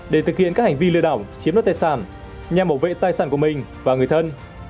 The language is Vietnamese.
để thực hiện các hành vi lừa đảo chiếm đoạt tài sản nhằm bảo vệ tài sản của mình và người thân